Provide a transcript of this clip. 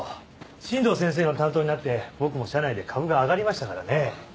新道先生の担当になって僕も社内で株が上がりましたからね。